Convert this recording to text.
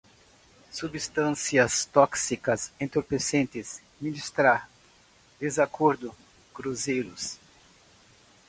substâncias tóxicas entorpecentes, ministrar, desacordo, cruzeiros